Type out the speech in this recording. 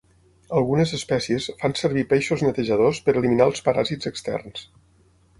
Algunes espècies fan servir peixos netejadors per eliminar els paràsits externs.